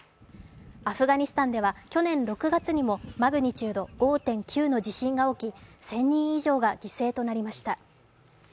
アフガニスタンでは去年６月にもマグニチュード５．９の地震が起き１０００人以上が犠牲となりました。